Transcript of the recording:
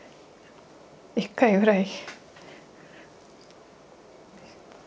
１回ぐらい。